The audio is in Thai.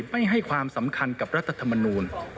ไม่ให้ความสำคัญกับรัฐธรรมนูล